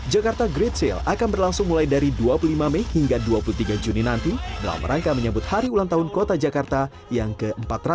jakarta great sale akan berlangsung mulai dari dua puluh lima mei hingga dua puluh tiga juni nanti dalam rangka menyambut hari ulang tahun kota jakarta yang ke empat ratus sembilan puluh